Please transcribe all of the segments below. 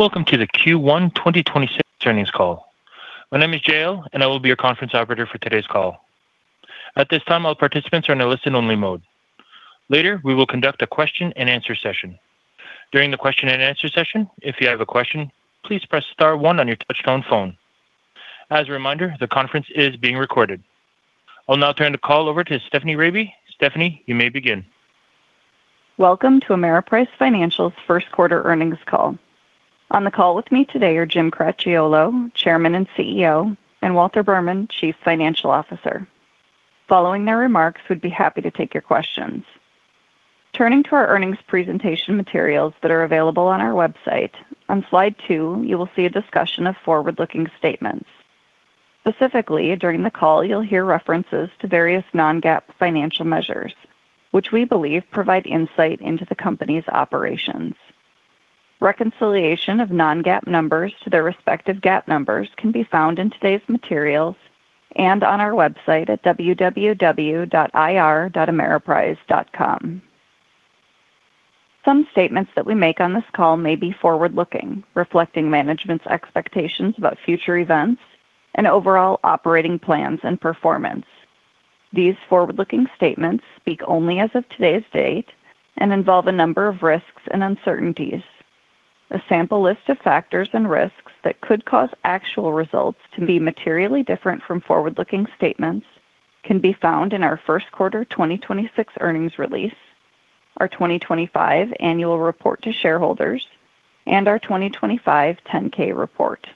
Welcome to the Q1 2026 Earnings Call. My name is Jael, and I will be your conference operator for today's call. At this time, all participants are in a listen-only mode. Later, we will conduct a question-and-answer session. During the question-and-answer session, if you have a question, please press star one on your touch-tone phone. As a reminder, the conference is being recorded. I'll now turn the call over to Stephanie Rabe. Stephanie, you may begin. Welcome to Ameriprise Financial's first quarter earnings call. On the call with me today are Jim Cracchiolo, Chairman and CEO, and Walter Berman, Chief Financial Officer. Following their remarks, we'd be happy to take your questions. Turning to our earnings presentation materials that are available on our website, on slide two you will see a discussion of forward-looking statements. Specifically, during the call you'll hear references to various non-GAAP financial measures, which we believe provide insight into the company's operations. Reconciliation of non-GAAP numbers to their respective GAAP numbers can be found in today's materials and on our website at www.ir.ameriprise.com. Some statements that we make on this call may be forward-looking, reflecting management's expectations about future events and overall operating plans and performance. These forward-looking statements speak only as of today's date and involve a number of risks and uncertainties. A sample list of factors and risks that could cause actual results to be materially different from forward-looking statements can be found in our first quarter 2026 earnings release, our 2025 annual report to shareholders, and our 2025 10-K report.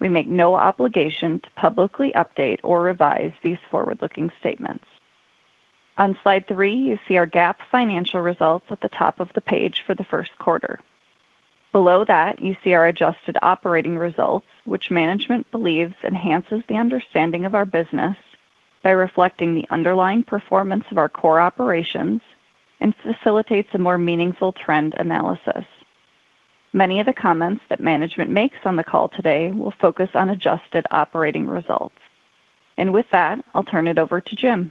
We make no obligation to publicly update or revise these forward-looking statements. On slide three, you see our GAAP financial results at the top of the page for the first quarter. Below that, you see our adjusted operating results, which management believes enhances the understanding of our business by reflecting the underlying performance of our core operations and facilitates a more meaningful trend analysis. Many of the comments that management makes on the call today will focus on adjusted operating results. With that, I'll turn it over to Jim.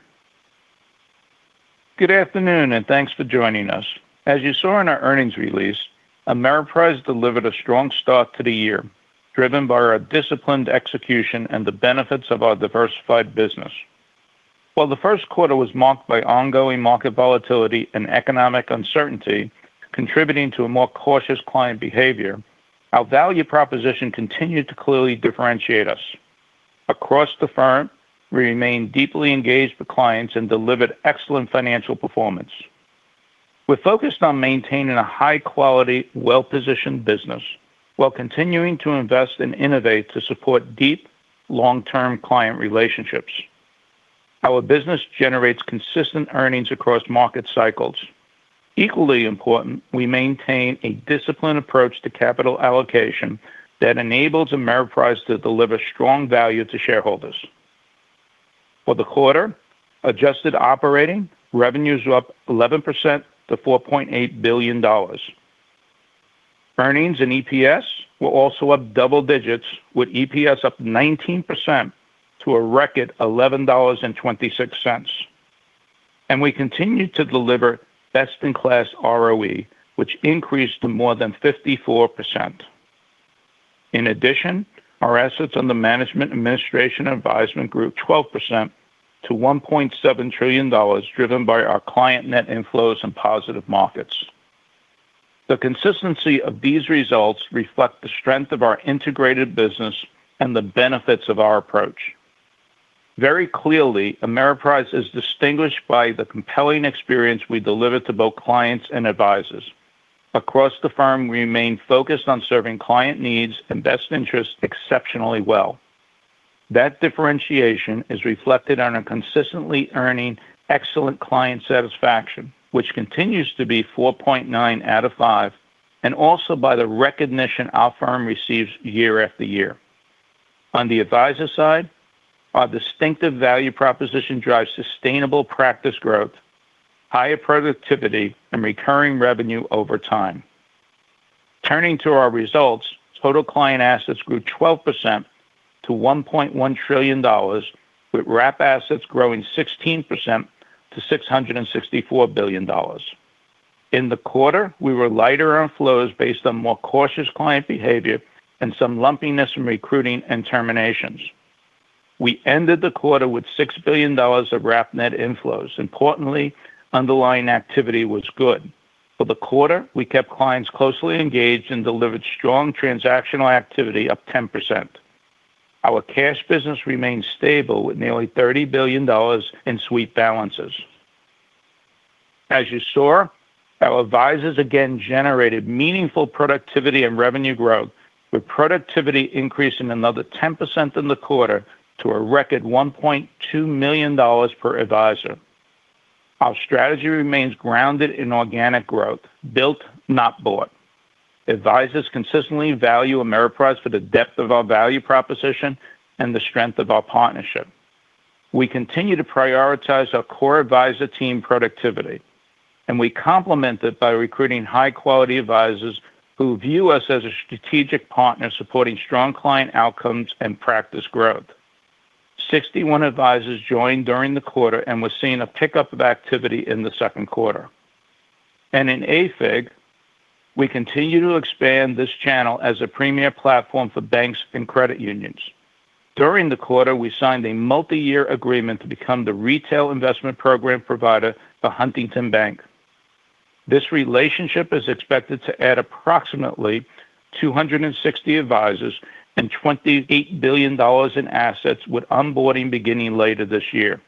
Good afternoon, and thanks for joining us. As you saw in our earnings release, Ameriprise delivered a strong start to the year, driven by our disciplined execution and the benefits of our diversified business. While the first quarter was marked by ongoing market volatility and economic uncertainty contributing to a more cautious client behavior, our value proposition continued to clearly differentiate us. Across the firm, we remain deeply engaged with clients and delivered excellent financial performance. We're focused on maintaining a high-quality, well-positioned business while continuing to invest and innovate to support deep, long-term client relationships. Our business generates consistent earnings across market cycles. Equally important, we maintain a disciplined approach to capital allocation that enables Ameriprise to deliver strong value to shareholders. For the quarter, adjusted operating revenues were up 11% to $4.8 billion. Earnings and EPS were also up double digits, with EPS up 19% to a record $11.26. We continued to deliver best-in-class ROE, which increased to more than 54%. In addition, our assets under management administration advisement grew 12% to $1.7 trillion, driven by our client net inflows and positive markets. The consistency of these results reflects the strength of our integrated business and the benefits of our approach. Very clearly, Ameriprise is distinguished by the compelling experience we deliver to both clients and advisors. Across the firm, we remain focused on serving client needs and best interests exceptionally well. That differentiation is reflected on a consistently earning excellent client satisfaction, which continues to be 4.9 out of five, and also by the recognition our firm receives year after year. On the advisor side, our distinctive value proposition drives sustainable practice growth, higher productivity, and recurring revenue over time. Turning to our results, total client assets grew 12% to $1.1 trillion, with wrap assets growing 16% to $664 billion. In the quarter, we were lighter on flows based on more cautious client behavior and some lumpiness in recruiting and terminations. We ended the quarter with $6 billion of wrap net inflows. Importantly, underlying activity was good. For the quarter, we kept clients closely engaged and delivered strong transactional activity up 10%. Our cash business remains stable with nearly $30 billion in sweep balances. As we soar, our advisors again generated meaningful productivity and revenue growth, with productivity increasing another 10% in the quarter to a record $1.2 million per advisor. Our strategy remains grounded in organic growth, built, not bought. Advisors consistently value Ameriprise for the depth of our value proposition and the strength of our partnership. We continue to prioritize our core advisor team productivity, and we complement it by recruiting high-quality advisors who view us as a strategic partner supporting strong client outcomes and practice growth. 61 advisors joined during the quarter, and we're seeing a pickup of activity in the second quarter. In AFIG, we continue to expand this channel as a premier platform for banks and credit unions. During the quarter, we signed a multi-year agreement to become the retail investment program provider for Huntington Bank. This relationship is expected to add approximately 260 advisors and $28 billion in assets, with onboarding beginning later this year.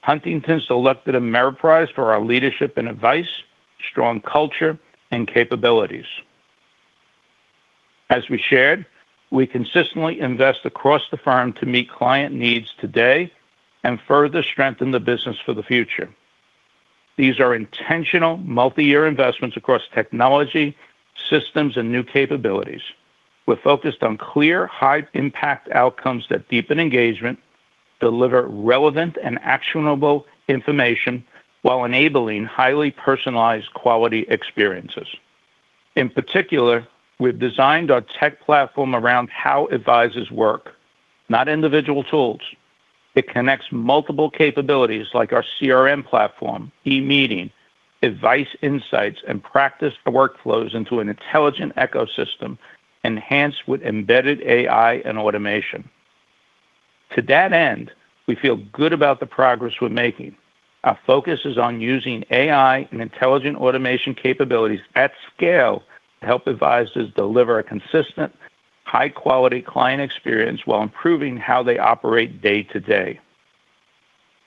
Huntington selected Ameriprise for our leadership and advice, strong culture, and capabilities. As we shared, we consistently invest across the firm to meet client needs today and further strengthen the business for the future. These are intentional multi-year investments across technology, systems, and new capabilities. We're focused on clear, high-impact outcomes that deepen engagement, deliver relevant and actionable information while enabling highly personalized quality experiences. In particular, we've designed our tech platform around how advisors work, not individual tools. It connects multiple capabilities like our CRM platform, eMeeting, advice insights, and practice workflows into an intelligent ecosystem enhanced with embedded AI and automation. To that end, we feel good about the progress we're making. Our focus is on using AI and intelligent automation capabilities at scale to help advisors deliver a consistent, high-quality client experience while improving how they operate day to day.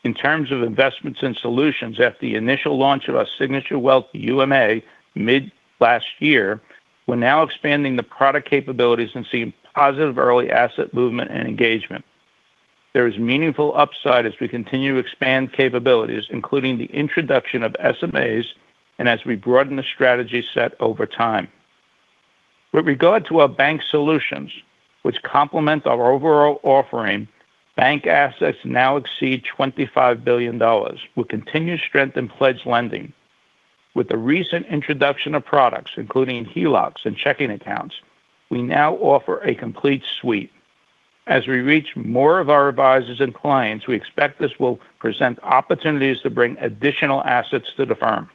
In terms of investments in solutions, after the initial launch of our Signature Wealth UMA mid last year, we're now expanding the product capabilities and seeing positive early asset movement and engagement. There is meaningful upside as we continue to expand capabilities, including the introduction of SMAs and as we broaden the strategy set over time. With regard to our bank solutions, which complement our overall offering, bank assets now exceed $25 billion, with continued strength in pledge lending. With the recent introduction of products, including HELOCs and checking accounts, we now offer a complete suite. As we reach more of our advisors and clients, we expect this will present opportunities to bring additional assets to the firm.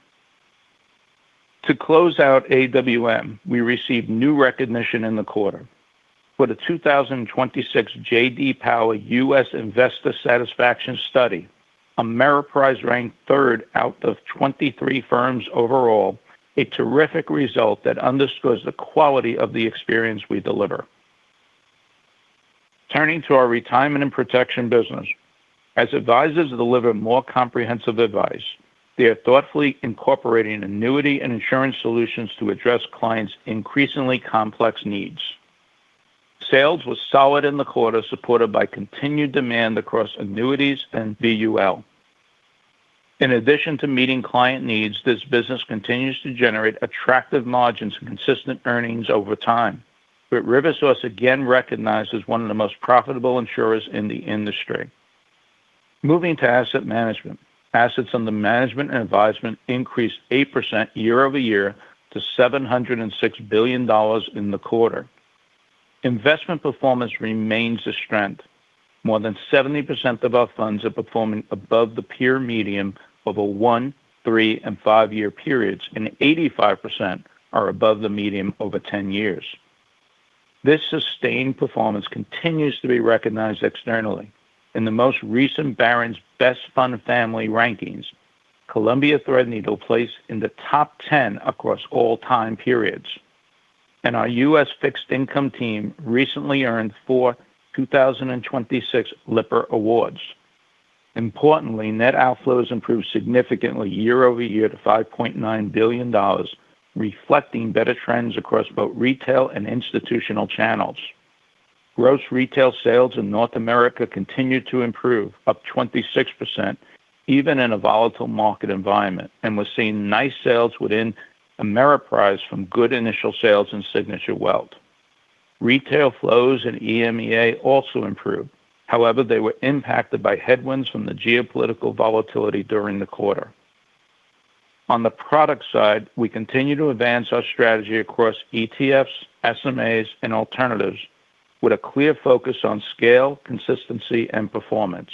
To close out AWM, we received new recognition in the quarter. For the 2026 J.D. Power U.S. Investor Satisfaction Study, Ameriprise ranked third out of 23 firms overall, a terrific result that underscores the quality of the experience we deliver. Turning to our retirement and protection business, as advisors deliver more comprehensive advice, they are thoughtfully incorporating annuity and insurance solutions to address clients' increasingly complex needs. Sales were solid in the quarter, supported by continued demand across annuities and VUL. In addition to meeting client needs, this business continues to generate attractive margins and consistent earnings over time, with RiverSource again recognized as one of the most profitable insurers in the industry. Moving to asset management. Assets under management increased 8% year-over-year to $706 billion in the quarter. Investment performance remains a strength. More than 70% of our funds are performing above the peer median over one, three, and five-year periods, and 85% are above the median over 10 years. This sustained performance continues to be recognized externally. In the most recent Barron's Best Fund Family rankings, Columbia Threadneedle placed in the top 10 across all time periods. Our U.S. fixed income team recently earned four 2026 Lipper Awards. Importantly, net outflows improved significantly year-over-year to $5.9 billion, reflecting better trends across both retail and institutional channels. Gross retail sales in North America continued to improve, up 26%, even in a volatile market environment, and we're seeing nice sales within Ameriprise from good initial sales in Signature Wealth. Retail flows in EMEA also improved. However, they were impacted by headwinds from the geopolitical volatility during the quarter. On the product side, we continue to advance our strategy across ETFs, SMAs, and alternatives with a clear focus on scale, consistency, and performance.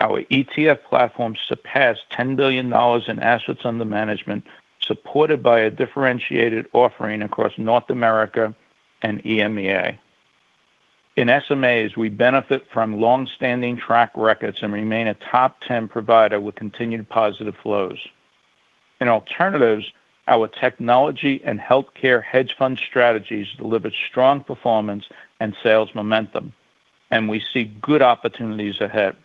Our ETF platform surpassed $10 billion in assets under management, supported by a differentiated offering across North America and EMEA. In SMAs, we benefit from long-standing track records and remain a top 10 provider with continued positive flows. In alternatives, our technology and healthcare hedge fund strategies delivered strong performance and sales momentum, and we see good opportunities ahead.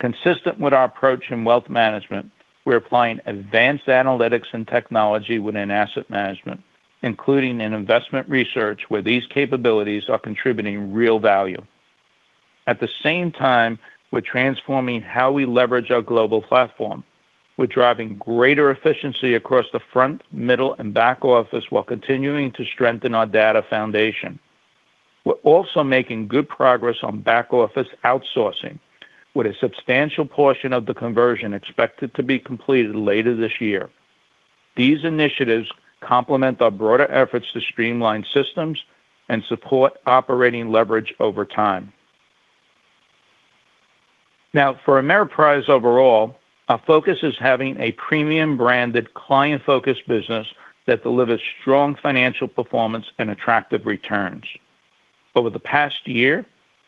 Consistent with our approach in wealth management, we're applying advanced analytics and technology within asset management, including in investment research, where these capabilities are contributing real value. At the same time, we're transforming how we leverage our global platform. We're driving greater efficiency across the front, middle, and back office while continuing to strengthen our data foundation. We're also making good progress on back-office outsourcing, with a substantial portion of the conversion expected to be completed later this year. These initiatives complement our broader efforts to streamline systems and support operating leverage over time. Now, for Ameriprise overall, our focus is having a premium branded, client-focused business that delivers strong financial performance and attractive returns. Over the past year,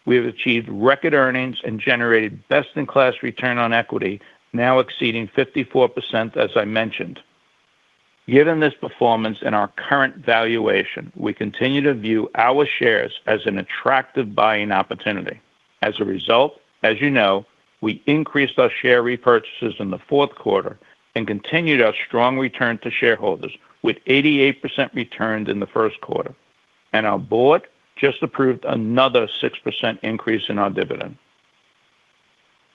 we have achieved record earnings and generated best-in-class return on equity, now exceeding 54%, as I mentioned. Given this performance and our current valuation, we continue to view our shares as an attractive buying opportunity. As a result, as you know, we increased our share repurchases in the fourth quarter and continued our strong return to shareholders with 88% returned in the first quarter. Our board just approved another 6% increase in our dividend.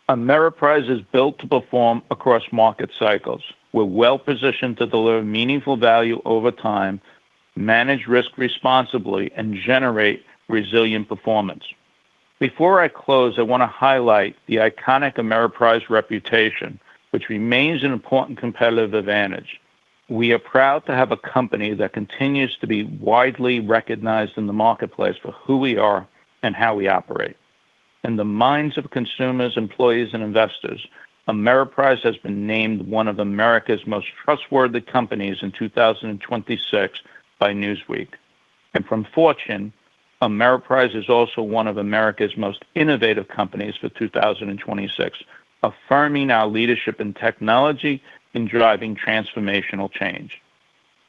Ameriprise is built to perform across market cycles. We're well positioned to deliver meaningful value over time, manage risk responsibly, and generate resilient performance. Before I close, I want to highlight the iconic Ameriprise reputation, which remains an important competitive advantage. We are proud to have a company that continues to be widely recognized in the marketplace for who we are and how we operate. In the minds of consumers, employees, and investors, Ameriprise has been named one of America's most trustworthy companies in 2026 by Newsweek. From Fortune, Ameriprise is also one of America's most innovative companies for 2026, affirming our leadership in technology in driving transformational change.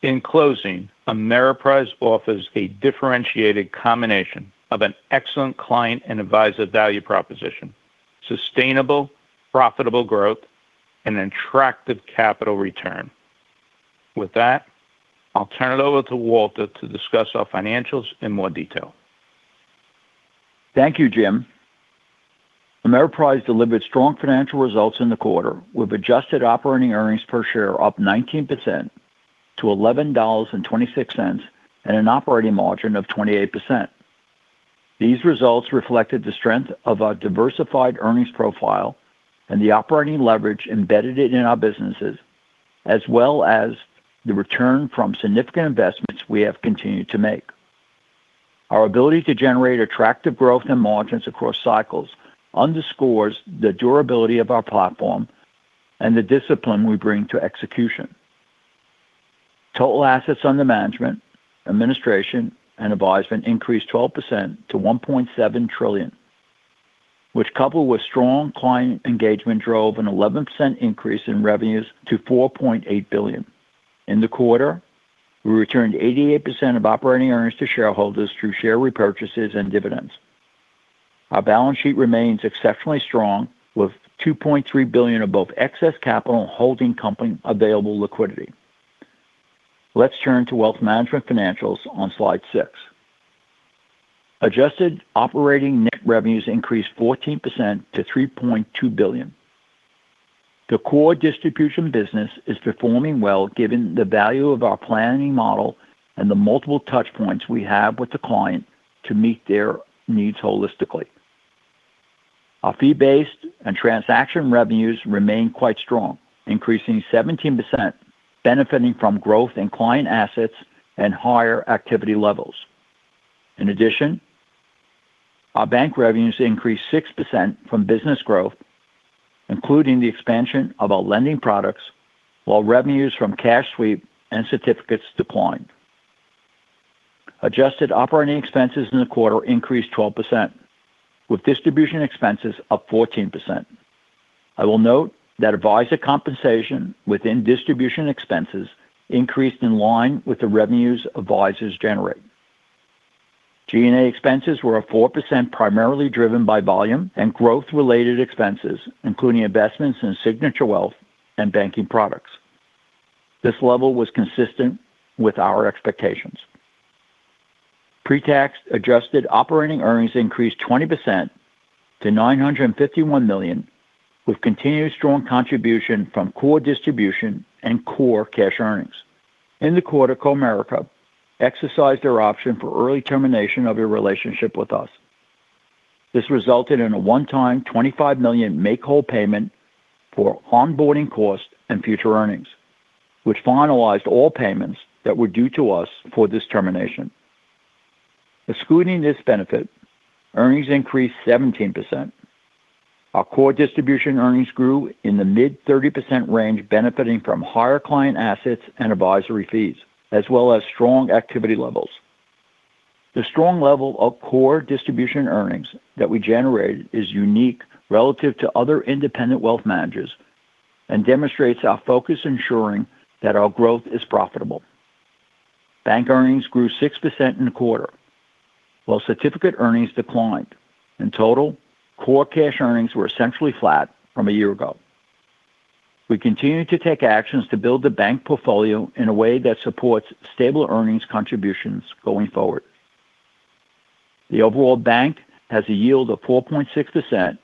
In closing, Ameriprise offers a differentiated combination of an excellent client and advisor value proposition, sustainable, profitable growth, and an attractive capital return. With that, I'll turn it over to Walter to discuss our financials in more detail. Thank you, Jim. Ameriprise delivered strong financial results in the quarter with adjusted operating earnings per share up 19% to $11.26 and an operating margin of 28%. These results reflected the strength of our diversified earnings profile and the operating leverage embedded in our businesses as well as the return from significant investments we have continued to make. Our ability to generate attractive growth in margins across cycles underscores the durability of our platform and the discipline we bring to execution. Total assets under management, administration, and advisement increased 12% to $1.7 trillion, which, coupled with strong client engagement, drove an 11% increase in revenues to $4.8 billion. In the quarter, we returned 88% of operating earnings to shareholders through share repurchases and dividends. Our balance sheet remains exceptionally strong, with $2.3 billion of both excess capital and holding company available liquidity. Let's turn to wealth management financials on slide six. Adjusted operating net revenues increased 14% to $3.2 billion. The core distribution business is performing well given the value of our planning model and the multiple touch points we have with the client to meet their needs holistically. Our fee-based and transaction revenues remain quite strong, increasing 17%, benefiting from growth in client assets and higher activity levels. In addition, our bank revenues increased 6% from business growth, including the expansion of our lending products, while revenues from cash sweep and certificates declined. Adjusted operating expenses in the quarter increased 12%, with distribution expenses up 14%. I will note that advisor compensation within distribution expenses increased in line with the revenues advisors generate. G&A expenses were up 4% primarily driven by volume and growth-related expenses, including investments in Signature Wealth and banking products. This level was consistent with our expectations. Pre-tax adjusted operating earnings increased 20% to $951 million, with continued strong contribution from core distribution and core cash earnings. In the quarter, Comerica exercised their option for early termination of their relationship with us. This resulted in a one-time $25 million make-whole payment for onboarding costs and future earnings, which finalized all payments that were due to us for this termination. Excluding this benefit, earnings increased 17%. Our core distribution earnings grew in the mid-30% range, benefiting from higher client assets and advisory fees, as well as strong activity levels. The strong level of core distribution earnings that we generated is unique relative to other independent wealth managers and demonstrates our focus ensuring that our growth is profitable. Bank earnings grew 6% in the quarter, while certificate earnings declined. In total, core cash earnings were essentially flat from a year ago. We continued to take actions to build the bank portfolio in a way that supports stable earnings contributions going forward. The overall bank has a yield of 4.6%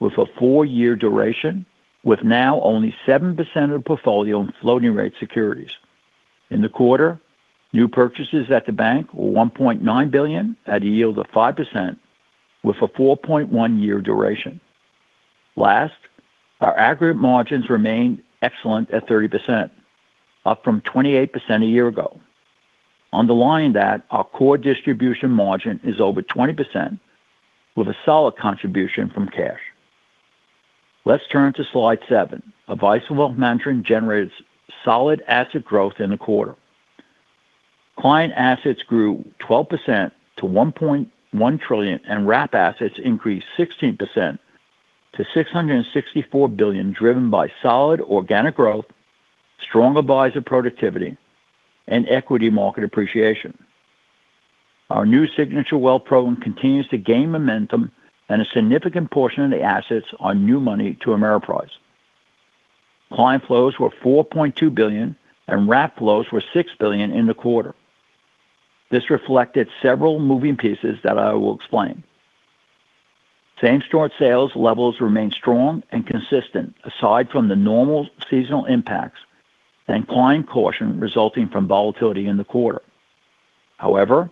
with a four-year duration, with now only 7% of the portfolio in floating rate securities. In the quarter, new purchases at the bank were $1.9 billion at a yield of 5% with a 4.1-year duration. Last, our aggregate margins remained excellent at 30%, up from 28% a year ago. Underlying that, our core distribution margin is over 20% with a solid contribution from cash. Let's turn to slide seven. Advisor Wealth Management generates solid asset growth in the quarter. Client assets grew 12% to $1.1 trillion, and wrap assets increased 16% to $664 billion, driven by solid organic growth, strong advisor productivity, and equity market appreciation. Our new Signature Wealth Program continues to gain momentum, and a significant portion of the assets are new money to Ameriprise. Client flows were $4.2 billion and wrap flows were $6 billion in the quarter. This reflected several moving pieces that I will explain. Same-store sales levels remained strong and consistent, aside from the normal seasonal impacts and client caution resulting from volatility in the quarter. However,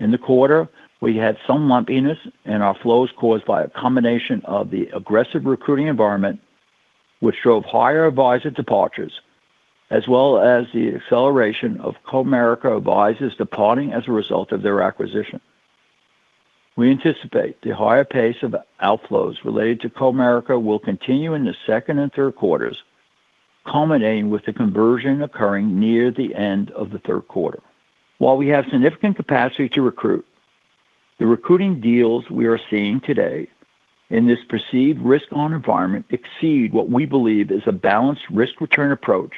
in the quarter, we had some lumpiness in our flows caused by a combination of the aggressive recruiting environment, which drove higher advisor departures, as well as the acceleration of Comerica advisors departing as a result of their acquisition. We anticipate the higher pace of outflows related to Comerica will continue in the second and third quarters, culminating with the conversion occurring near the end of the third quarter. While we have significant capacity to recruit, the recruiting deals we are seeing today in this perceived risk-on environment exceed what we believe is a balanced risk-return approach,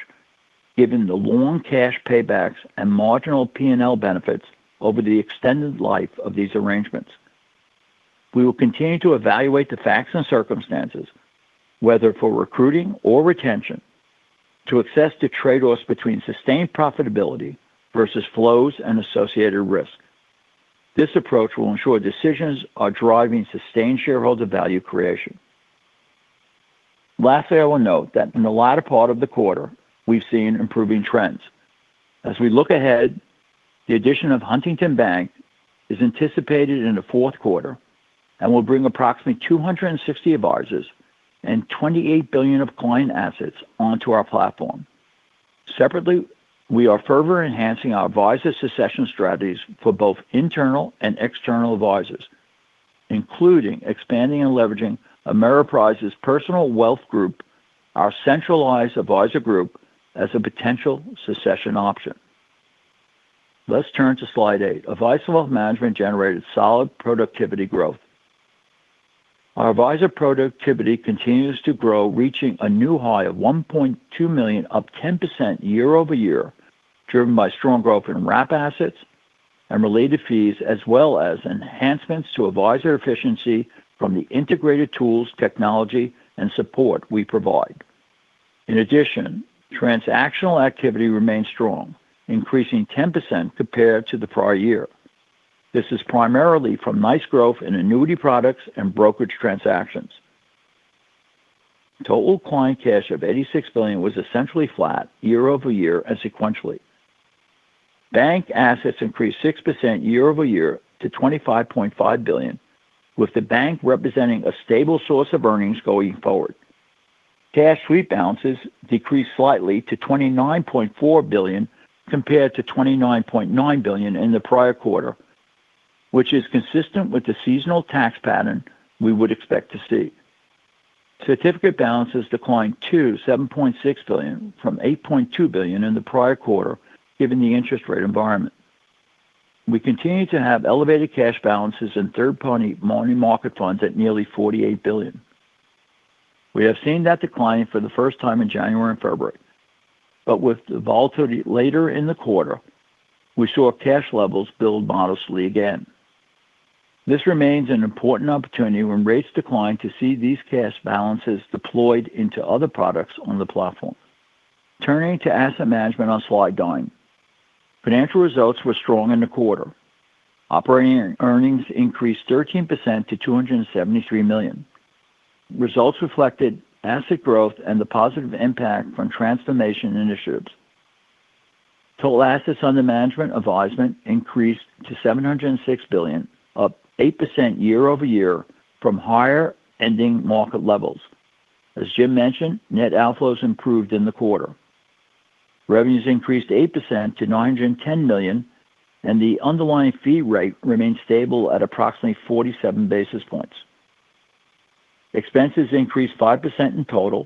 given the long cash paybacks and marginal P&L benefits over the extended life of these arrangements. We will continue to evaluate the facts and circumstances, whether for recruiting or retention, to assess the trade-offs between sustained profitability versus flows and associated risk. This approach will ensure decisions are driving sustained shareholder value creation. Lastly, I will note that in the latter part of the quarter, we've seen improving trends. As we look ahead, the addition of Huntington Bank is anticipated in the fourth quarter and will bring approximately 260 advisors and $28 billion of client assets onto our platform. Separately, we are further enhancing our advisor succession strategies for both internal and external advisors, including expanding and leveraging Ameriprise Personal Wealth Group, our centralized advisor group, as a potential succession option. Let's turn to slide eight. Advice & Wealth Management generated solid productivity growth. Our advisor productivity continues to grow, reaching a new high of $1.2 million, up 10% year-over-year, driven by strong growth in wrap assets and related fees, as well as enhancements to advisor efficiency from the integrated tools, technology, and support we provide. In addition, transactional activity remained strong, increasing 10% compared to the prior year. This is primarily from nice growth in annuity products and brokerage transactions. Total client cash of $86 billion was essentially flat year-over-year and sequentially. Bank assets increased 6% year-over-year to $25.5 billion, with the bank representing a stable source of earnings going forward. Cash sweep balances decreased slightly to $29.4 billion compared to $29.9 billion in the prior quarter, which is consistent with the seasonal tax pattern we would expect to see. Certificate balances declined to $7.6 billion from $8.2 billion in the prior quarter, given the interest rate environment. We continue to have elevated cash balances in third-party money market funds at nearly $48 billion. We have seen that decline for the first time in January and February. With the volatility later in the quarter, we saw cash levels build modestly again. This remains an important opportunity when rates decline to see these cash balances deployed into other products on the platform. Turning to asset management on slide nine. Financial results were strong in the quarter. Operating earnings increased 13% to $273 million. Results reflected asset growth and the positive impact from transformation initiatives. Total assets under management advisement increased to $706 billion, up 8% year-over-year from higher ending market levels. As Jim mentioned, net outflows improved in the quarter. Revenues increased 8% to $910 million and the underlying fee rate remained stable at approximately 47 basis points. Expenses increased 5%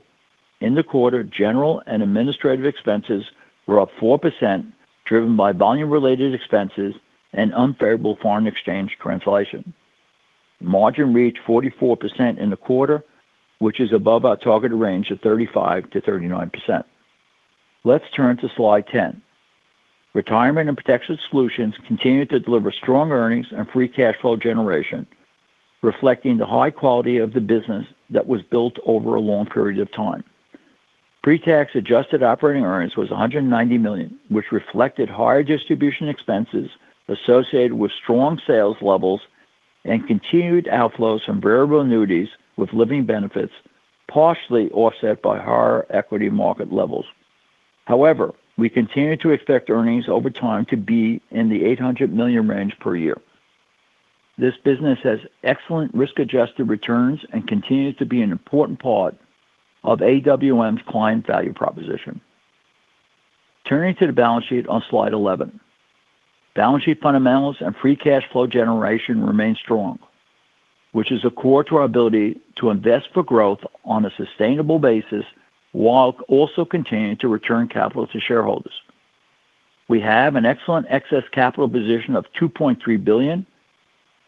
in the quarter. General and administrative expenses were up 4%, driven by volume-related expenses and unfavorable foreign exchange translation. Margin reached 44% in the quarter, which is above our targeted range of 35%-39%. Let's turn to slide 10. Retirement and protection solutions continued to deliver strong earnings and free cash flow generation, reflecting the high quality of the business that was built over a long period of time. Pre-tax adjusted operating earnings was $190 million, which reflected higher distribution expenses associated with strong sales levels and continued outflows from variable annuities with living benefits, partially offset by higher equity market levels. However, we continue to expect earnings over time to be in the $800 million range per year. This business has excellent risk-adjusted returns and continues to be an important part of AWM's client value proposition. Turning to the balance sheet on slide 11. Balance sheet fundamentals and free cash flow generation remain strong, which is core to our ability to invest for growth on a sustainable basis while also continuing to return capital to shareholders. We have an excellent excess capital position of $2.3 billion.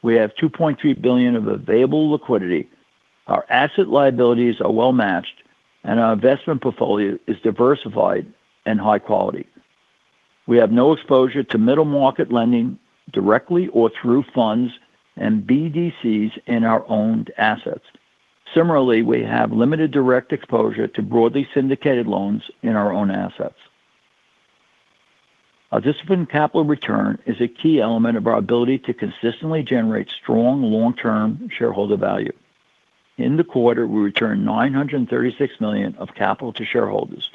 We have $2.3 billion of available liquidity. Our asset liabilities are well matched, and our investment portfolio is diversified and high quality. We have no exposure to middle market lending directly or through funds and BDCs in our owned assets. Similarly, we have limited direct exposure to broadly syndicated loans in our own assets. Our disciplined capital return is a key element of our ability to consistently generate strong long-term shareholder value. In the quarter, we returned $936 million of capital to shareholders,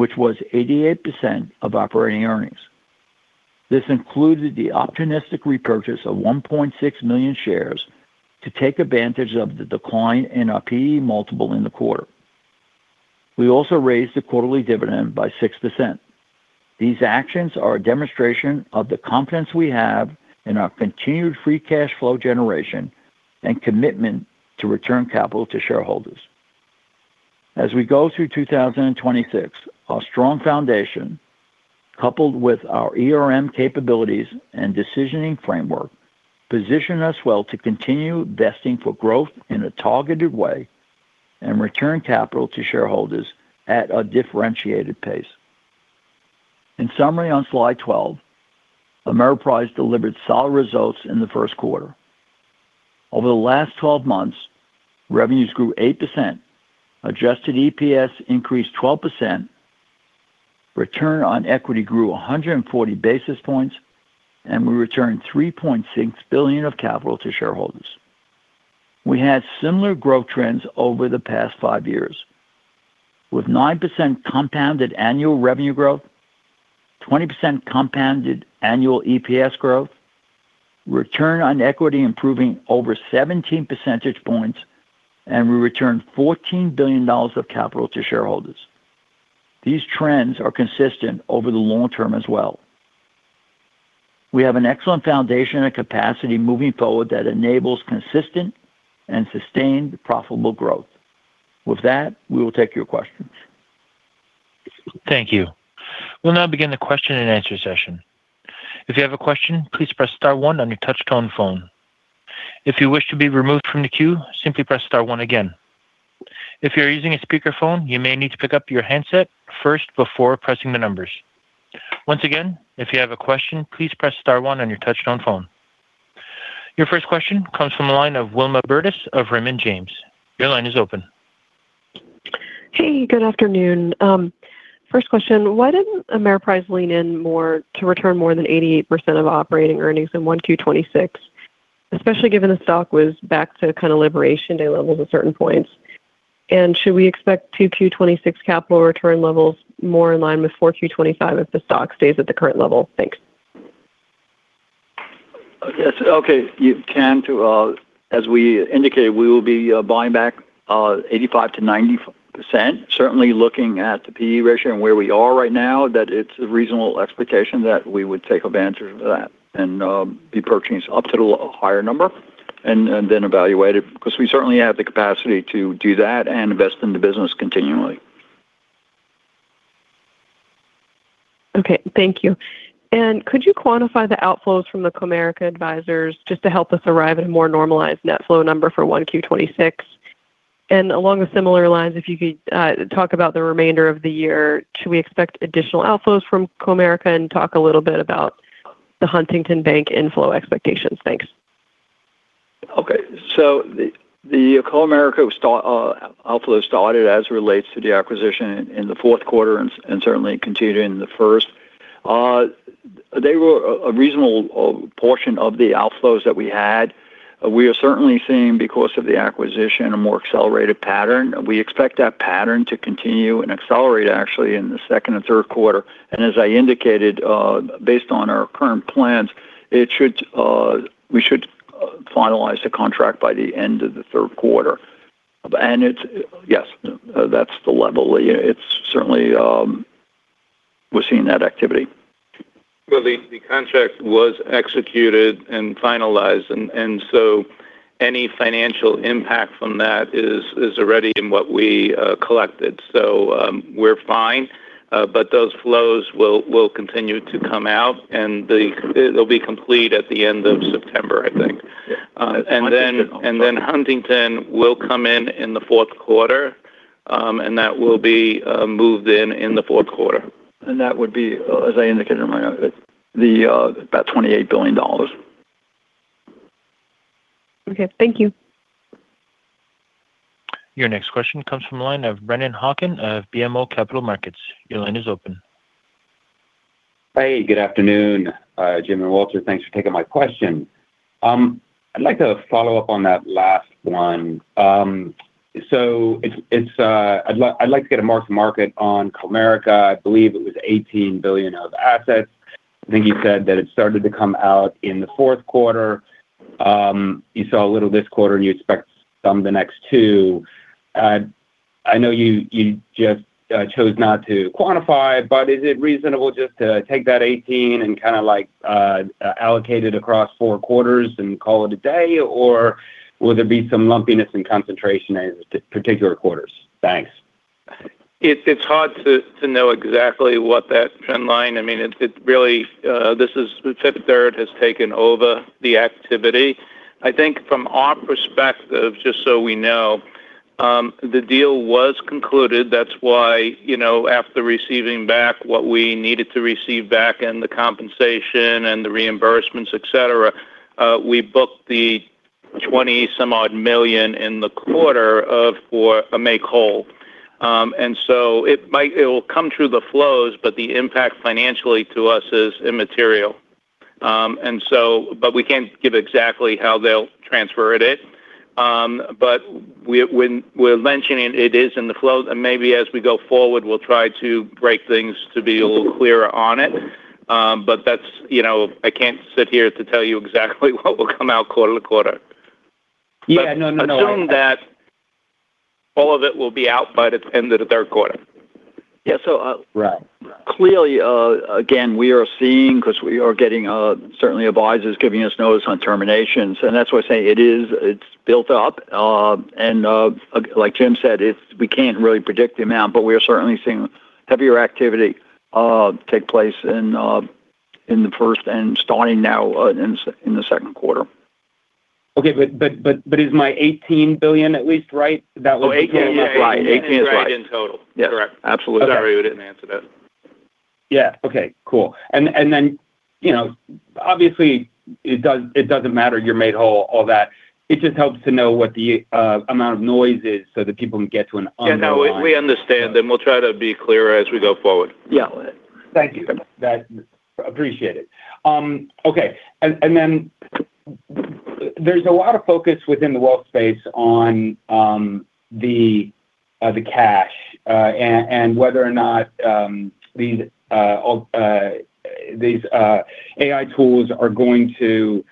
which was 88% of operating earnings. This included the opportunistic repurchase of 1.6 million shares to take advantage of the decline in our P/E multiple in the quarter. We also raised the quarterly dividend by 6%. These actions are a demonstration of the confidence we have in our continued free cash flow generation and commitment to return capital to shareholders. As we go through 2026, our strong foundation, coupled with our ERM capabilities and decisioning framework, position us well to continue investing for growth in a targeted way and return capital to shareholders at a differentiated pace. In summary, on slide 12, Ameriprise delivered solid results in the first quarter. Over the last 12 months, revenues grew 8%, adjusted EPS increased 12%, return on equity grew 140 basis points, and we returned $3.6 billion of capital to shareholders. We had similar growth trends over the past five years with 9% compounded annual revenue growth, 20% compounded annual EPS growth, return on equity improving over 17 percentage points, and we returned $14 billion of capital to shareholders. These trends are consistent over the long term as well. We have an excellent foundation and capacity moving forward that enables consistent and sustained profitable growth. With that, we will take your questions. Thank you. We'll now begin the question-and-answer session. If you have a question, please press star one on your touchtone phone. If you wish to be removed from the queue, simply press star one again. If you're using a speakerphone, you may need to pick up your handset first before pressing the numbers. Once again, if you have a question, please press star one on your touchtone phone. Your first question comes from the line of Wilma Burdis of Raymond James. Your line is open. Hey, good afternoon. First question, why didn't Ameriprise lean in more to return more than 88% of operating earnings in 1Q 2026, especially given the stock was back to kind of Liberation Day levels at certain points? Should we expect 2Q 2026 capital return levels more in line with 4Q 2025 if the stock stays at the current level? Thanks. Yes. Okay. As we indicated, we will be buying back 85%-90%. Certainly, looking at the P/E ratio and where we are right now, that it's a reasonable expectation that we would take advantage of that and be purchasing up to the higher number and then evaluate it because we certainly have the capacity to do that and invest in the business continually. Okay. Thank you. Could you quantify the outflows from the Comerica advisors just to help us arrive at a more normalized net flow number for 1Q 2026? Along similar lines, if you could talk about the remainder of the year. Should we expect additional outflows from Comerica and talk a little bit about the Huntington Bank inflow expectations? Thanks. Okay. The Comerica outflow started as it relates to the acquisition in the fourth quarter and certainly continued in the first. They were a reasonable portion of the outflows that we had. We are certainly seeing, because of the acquisition, a more accelerated pattern. We expect that pattern to continue and accelerate actually in the second and third quarter. As I indicated, based on our current plans, we should finalize the contract by the end of the third quarter. Yes, that's the level. We're seeing that activity. Well, the contract was executed and finalized, and so any financial impact from that is already in what we collected. We're fine. Those flows will continue to come out, and it'll be complete at the end of September, I think. Yeah. Huntington will come in the fourth quarter, and that will be moved in the fourth quarter. That would be, as I indicated earlier, about $28 billion. Okay. Thank you. Your next question comes from the line of Brennan Hawken of BMO Capital Markets. Your line is open. Hey, good afternoon, Jim and Walter. Thanks for taking my question. I'd like to follow up on that last one. I'd like to get a mark-to-market on Comerica. I believe it was $18 billion of assets. I think you said that it started to come out in the fourth quarter. You saw a little this quarter, and you expect some the next two. I know you just chose not to quantify, but is it reasonable just to take that $18 billion and allocate it across four quarters and call it a day? Or will there be some lumpiness and concentration in particular quarters? Thanks. It's hard to know exactly what that trend line is. Fifth Third has taken over the activity. I think from our perspective, just so we know, the deal was concluded. That's why after receiving back what we needed to receive back and the compensation and the reimbursements, et cetera, we booked the $20-some-odd million in the quarter for a make whole. It will come through the flows, but the impact financially to us is immaterial. We can't give exactly how they'll transfer it. We're mentioning it is in the flow. Maybe as we go forward, we'll try to break things to be a little clearer on it. I can't sit here to tell you exactly what will come out quarter to quarter. Yeah. No. Assume that all of it will be out by the end of the third quarter. Yeah. Right. Clearly, again, we are seeing, because we are getting certainly advisors giving us notice on terminations, and that's why I say it's built up. Like Jim said, we can't really predict the amount, but we are certainly seeing heavier activity take place in the first and starting now in the second quarter. Okay. Is my $18 billion at least, right? Oh, $18 billion. Yeah. $18 billion is right. $18 billion is right in total. Correct. Absolutely. Sorry, we didn't answer that. Yeah. Okay. Cool. Obviously, it doesn't matter, you're made whole, all that. It just helps to know what the amount of noise is so that people can get to an underlying. Yeah. No. We understand, and we'll try to be clearer as we go forward. Yeah. Thank you. Appreciate it. Okay. There's a lot of focus within the Wall Street on the cash and whether or not these AI tools are going to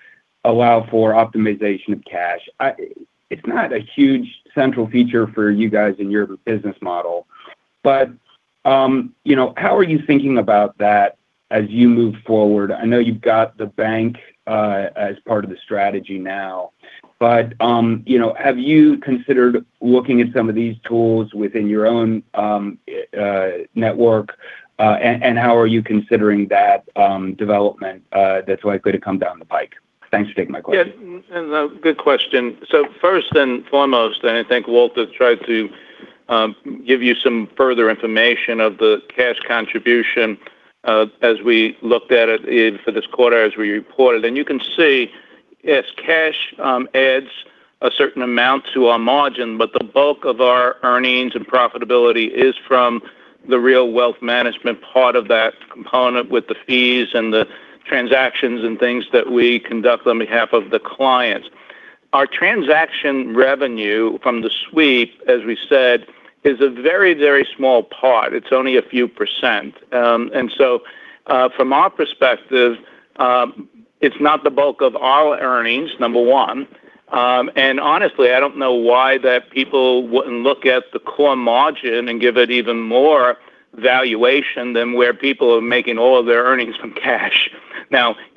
allow for optimization of cash. It's not a huge central feature for you guys in your business model. How are you thinking about that as you move forward? I know you've got the bank as part of the strategy now, but have you considered looking at some of these tools within your own network? How are you considering that development that's likely to come down the pike? Thanks for taking my question. Yeah. Good question. First and foremost, I think Walter tried to give you some further information of the cash contribution as we looked at it for this quarter as we reported. You can see, yes, cash adds a certain amount to our margin, but the bulk of our earnings and profitability is from the real wealth management part of that component with the fees and the transactions and things that we conduct on behalf of the clients. Our transaction revenue from the sweep, as we said, is a very, very small part. It's only a few %. From our perspective, it's not the bulk of our earnings, number one. Honestly, I don't know why people wouldn't look at the core margin and give it even more valuation than where people are making all of their earnings from cash.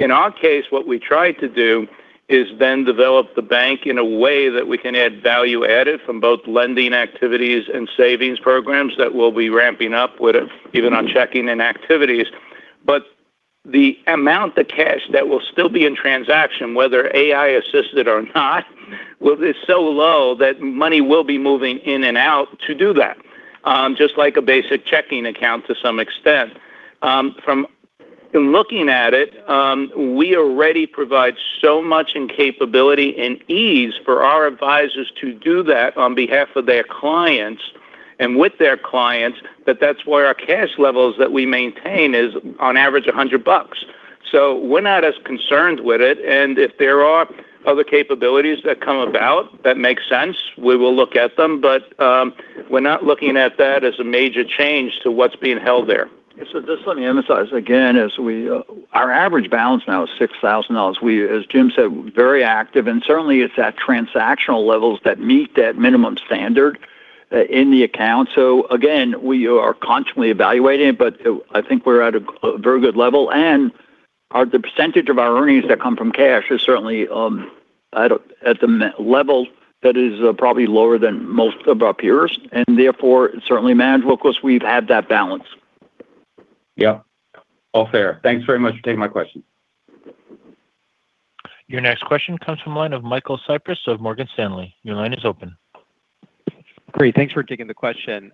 In our case, what we tried to do is then develop the bank in a way that we can add value added from both lending activities and savings programs that we'll be ramping up with even on checking and activities. The amount of cash that will still be in transaction, whether AI-assisted or not, is so low that money will be moving in and out to do that. Just like a basic checking account to some extent. From looking at it, we already provide so much in capability and ease for our advisors to do that on behalf of their clients and with their clients, that that's why our cash levels that we maintain is on average $100. We're not as concerned with it, and if there are other capabilities that come about that make sense, we will look at them. We're not looking at that as a major change to what's being held there. Yeah. Just let me emphasize again, our average balance now is $6,000. We, as Jim said, very active, and certainly it's at transactional levels that meet that minimum standard. In the account. We are constantly evaluating it, but I think we're at a very good level, and the percentage of our earnings that come from cash is certainly at a level that is probably lower than most of our peers, and therefore certainly manageable because we've had that balance. Yep. All fair. Thanks very much for taking my question. Your next question comes from the line of Michael Cyprys of Morgan Stanley. Your line is open. Great. Thanks for taking the question.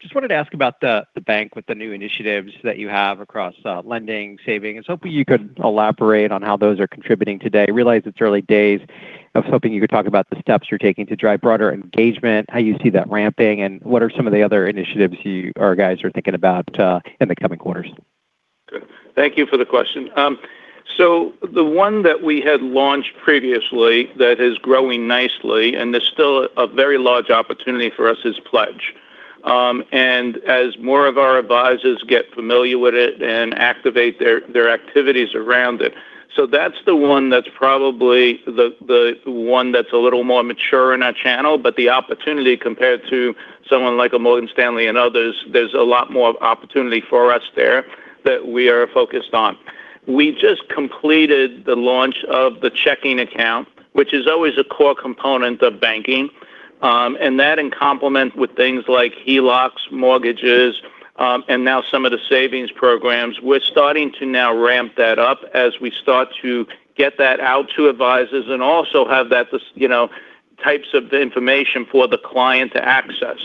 Just wanted to ask about the bank with the new initiatives that you have across lending, savings. Hoping you could elaborate on how those are contributing today. Realize it's early days. I was hoping you could talk about the steps you're taking to drive broader engagement, how you see that ramping, and what are some of the other initiatives you guys are thinking about in the coming quarters? Good. Thank you for the question. The one that we had launched previously that is growing nicely and there's still a very large opportunity for us is Pledge as more of our advisors get familiar with it and activate their activities around it. That's the one that's probably a little more mature in our channel. The opportunity compared to someone like Morgan Stanley and others; there's a lot more opportunity for us there that we are focused on. We just completed the launch of the checking account, which is always a core component of banking, and that in complement with things like HELOCs, mortgages, and now some of the savings' programs. We're starting to now ramp that up as we start to get that out to advisors and also have that, types of information for the client to access.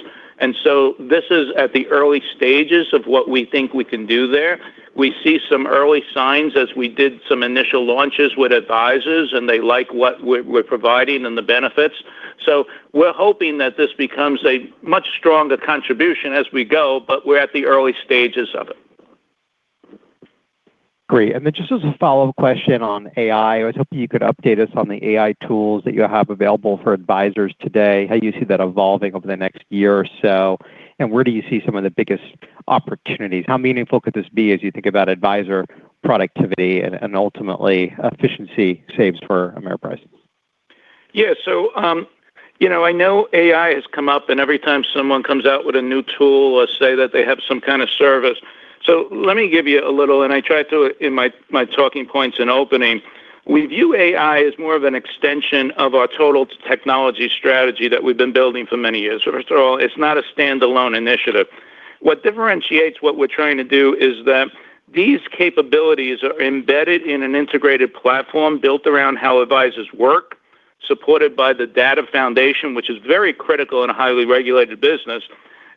This is at the early stages of what we think we can do there. We see some early signs as we did some initial launches with advisors, and they like what we're providing and the benefits. We're hoping that this becomes a much stronger contribution as we go, but we're at the early stages of it. Great. Just as a follow-up question on AI, I was hoping you could update us on the AI tools that you have available for advisors today, how you see that evolving over the next year or so, and where do you see some of the biggest opportunities. How meaningful could this be as you think about advisor productivity and ultimately efficiency savings for Ameriprise? Yeah. I know AI has come up, and every time someone comes out with a new tool or say that they have some kind of service. Let me give you a little, and I tried to in my talking points in opening, we view AI as more of an extension of our total technology strategy that we've been building for many years. First of all, it's not a standalone initiative. What differentiates what we're trying to do is that these capabilities are embedded in an integrated platform built around how advisors work, supported by the data foundation, which is very critical in a highly regulated business,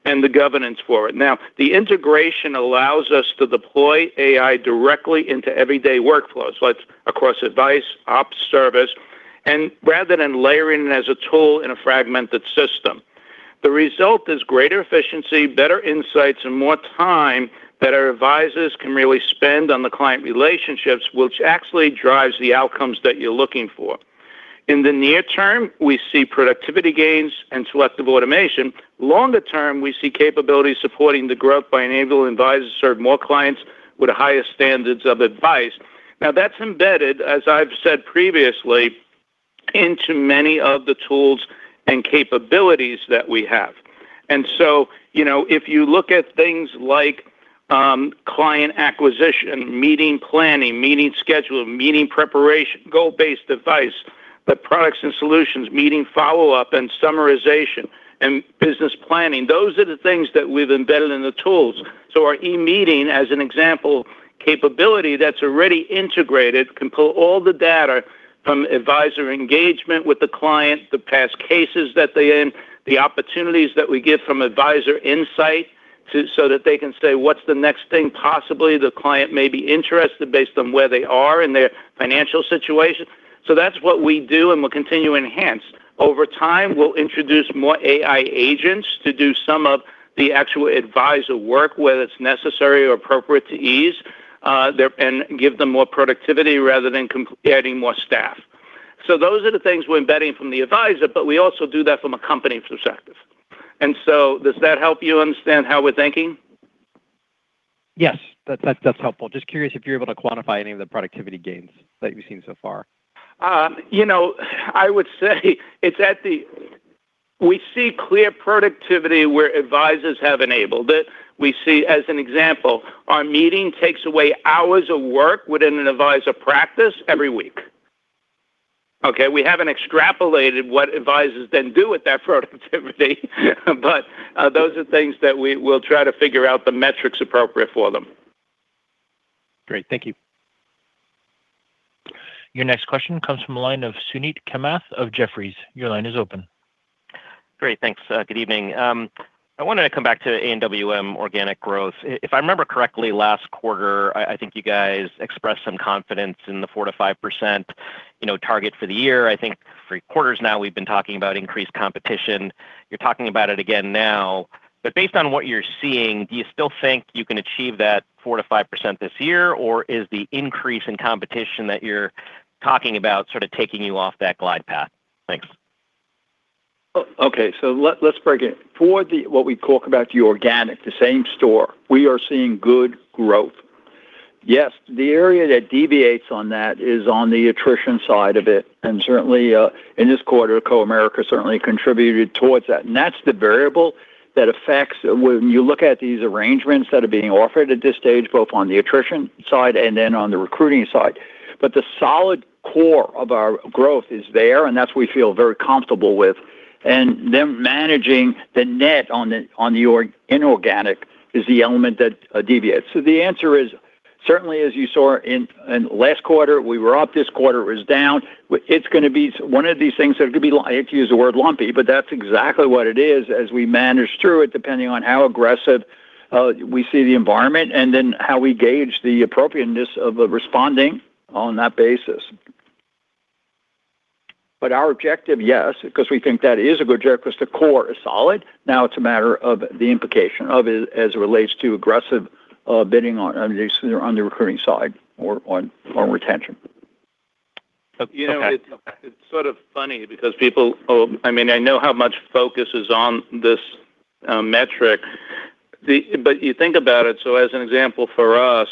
and the governance for it. Now, the integration allows us to deploy AI directly into everyday workflows, like across advice, ops, service, and rather than layering it as a tool in a fragmented system. The result is greater efficiency, better insights, and more time that our advisors can really spend on the client relationships, which actually drives the outcomes that you're looking for. In the near term, we see productivity gains and selective automation. Longer term, we see capabilities supporting the growth by enabling advisors to serve more clients with higher standards of advice. Now, that's embedded, as I've said previously, into many of the tools and capabilities that we have. If you look at things like client acquisition, meeting planning, meeting schedule, meeting preparation, goal-based advice, the products and solutions, meeting follow-up and summarization and business planning, those are the things that we've embedded in the tools. Our eMeeting, as an example, capability that's already integrated, can pull all the data from advisor engagement with the client, the past cases that they're in, the opportunities that we get from advisor insight, so that they can say, what's the next thing possibly the client may be interested based on where they are in their financial situation. That's what we do and we'll continue to enhance. Over time, we'll introduce more AI agents to do some of the actual advisor work, where it's necessary or appropriate to ease, and give them more productivity rather than adding more staff. Those are the things we're embedding from the advisor, but we also do that from a company perspective. Does that help you understand how we're thinking? Yes. That's helpful. Just curious if you're able to quantify any of the productivity gains that you've seen so far. I would say we see clear productivity where advisors have enabled it. We see as an example, our eMeeting takes away hours of work within an advisor practice every week. Okay. We haven't extrapolated what advisors then do with that productivity, but those are things that we'll try to figure out the metrics appropriate for them. Great. Thank you. Your next question comes from the line of Suneet Kamath of Jefferies. Your line is open. Great. Thanks. Good evening. I wanted to come back to AWM organic growth. If I remember correctly, last quarter, I think you guys expressed some confidence in the 4%-5% target for the year. I think three quarters now we've been talking about increased competition. You're talking about it again now, but based on what you're seeing, do you still think you can achieve that 4%-5% this year? Or is the increase in competition that you're talking about sort of taking you off that glide path? Thanks. Okay. Let's break it. For what we talk about the organic, the same store, we are seeing good growth. Yes. The area that deviates on that is on the attrition side of it, and certainly in this quarter, Comerica certainly contributed towards that. That's the variable that affects when you look at these arrangements that are being offered at this stage, both on the attrition side and then on the recruiting side. The solid core of our growth is there, and that's we feel very comfortable with. Them managing the net on the inorganic is the element that deviates. The answer is, certainly as you saw in last quarter, we were up, this quarter it was down. One of these things that could be, I hate to use the word lumpy, but that's exactly what it is as we manage through it, depending on how aggressive we see the environment and then how we gauge the appropriateness of responding on that basis. Our objective, yes, because we think that is a good objective because the core is solid. Now it's a matter of the implication of it as it relates to aggressive bidding on the recruiting side or on retention. Okay. It's sort of funny because I know how much focus is on this metric. You think about it, so as an example for us,